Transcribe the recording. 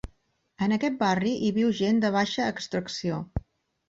En aquest barri hi viu gent de baixa extracció.